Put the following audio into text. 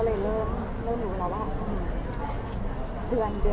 แล้วพอวันที่เข้ามาถึงหายใจหอดด้วย